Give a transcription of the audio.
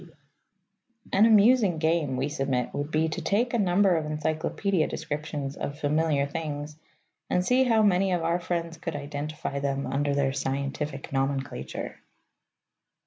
B. An amusing game, we submit, would be to take a number of encyclopædia descriptions of familiar things, and see how many of our friends could identify them under their scientific nomenclature.